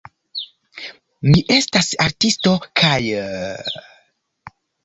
Mi estas artisto, kaj...